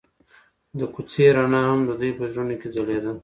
د کوڅه رڼا هم د دوی په زړونو کې ځلېده.